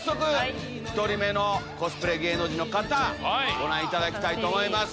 １人目のコスプレ芸能人の方ご覧いただきたいと思います。